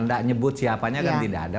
tidak nyebut siapanya kan tidak ada